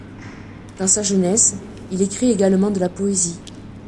Dans sa jeunesse, il écrit également de la poésie.